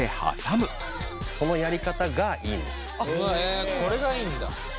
えこれがいいんだ。